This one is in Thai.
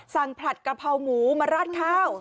ผลัดกะเพราหมูมาราดข้าว